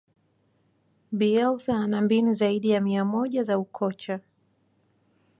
bielsa ana mbinu zaidi ya mia moja za ukocha